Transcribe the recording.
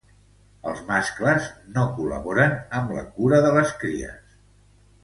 Els mascles no col·laboren amb la cura de les cries.